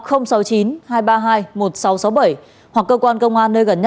mọi thông tin có thể được gửi đến cơ quan công an